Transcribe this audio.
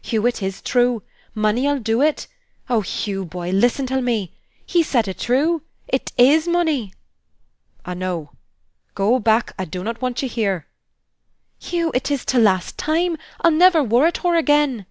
"Hugh, it is true! Money ull do it! Oh, Hugh, boy, listen till me! He said it true! It is money!" "I know. Go back! I do not want you here." "Hugh, it is t' last time. I'll never worrit hur again."